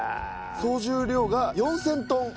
総重量が４０００トン。